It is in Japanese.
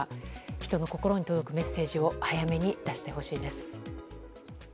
人の心に届くメッセージを早めに出してほしいです。